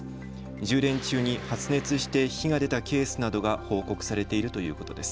充電中に発熱して火が出たケースなどが報告されているということです。